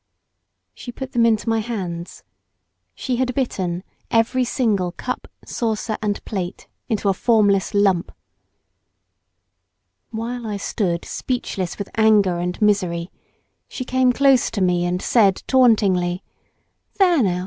She put them into my hands. She had bitten every single cup, saucer, and plate into a formless lump! While I stood speechless with anger and misery, she came close to me and said tauntingly "There, now!